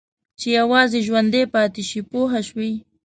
چې یوازې ژوندي پاتې شي پوه شوې!.